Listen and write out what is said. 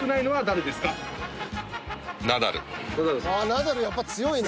ナダルやっぱ強いな。